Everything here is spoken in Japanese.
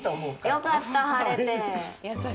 よかった、晴れて。